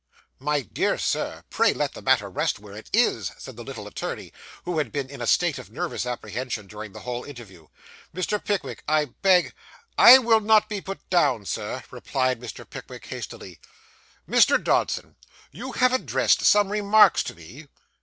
'My dear Sir, pray let the matter rest where it is,' said the little attorney, who had been in a state of nervous apprehension during the whole interview; 'Mr. Pickwick, I beg ' 'I will not be put down, Sir,' replied Mr. Pickwick hastily. 'Mr. Dodson, you have addressed some remarks to me.